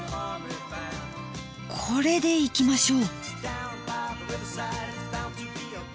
これでいきましょう。